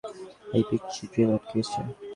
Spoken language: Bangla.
এই পিচ্চি, ড্রিল আটকে গেছে।